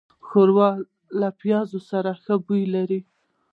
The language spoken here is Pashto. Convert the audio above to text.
ښوروا له پيازو سره ښه بوی لري.